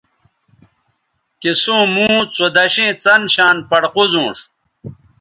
تِسوں موں څودشیئں څن شان پڑ قوزونݜ